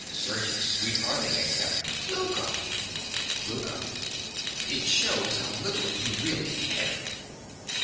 SERGIUS. (recoiling a step). Louka! LOUKA. It shews how little you really care!